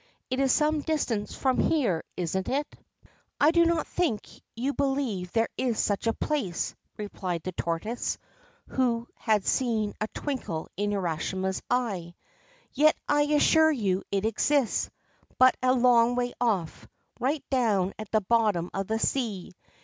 It 's some distance from here, isn't it ?'' I do not think you believe there is such a place,' replied the tortoise, who had seen a twinkle in Urashima's eye. ' Yet I assure you it exists, but a long way off right down at the bottom of the sea.